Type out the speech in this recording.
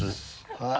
はい。